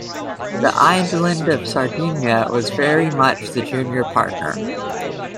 The island of Sardinia was very much the junior partner.